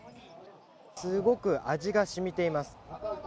すごく味が染みています。